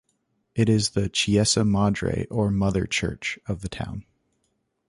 It is the "Chiesa Madre" or Mother Church of the town.